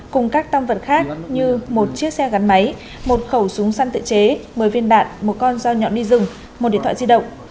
cùng các tâm vật khác như một chiếc xe gắn máy một khẩu súng săn tự chế một mươi viên đạn một con dao nhọn đi rừng một điện thoại di động